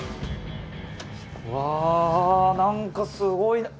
うわ何かすごいな。